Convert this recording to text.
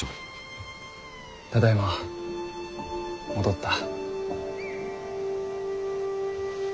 ただいま戻った。